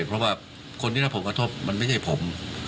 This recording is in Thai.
เพราะว่าคนที่รับผลกระทบมันไม่ใช่ผม